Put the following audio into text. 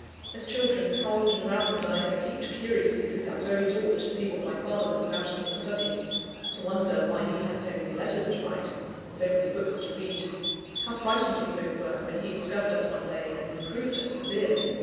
As children, how often Ralph and I had peeped curiously through that very door, to see what my father was about in his study, to wonder why he had so many letters to write, and so many books to read. How frightened we both were, when he discovered us one day, and reproved us severely!